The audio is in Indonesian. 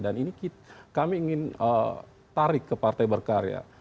dan ini kami ingin tarik ke partai berkarya